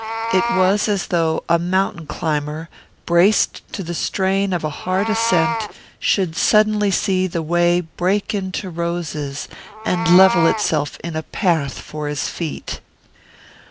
It was as though a mountain climber, braced to the strain of a hard ascent, should suddenly see the way break into roses, and level itself in a path for his feet.